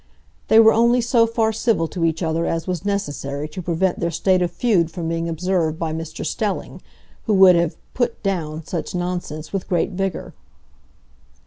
They were only so far civil to each other as was necessary to prevent their state of feud from being observed by Mr Stelling, who would have "put down" such nonsense with great vigor.